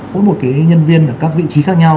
mỗi một nhân viên ở các vị trí khác nhau